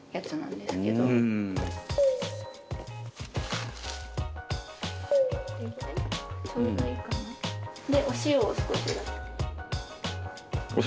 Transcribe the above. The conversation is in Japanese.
でお塩を少し。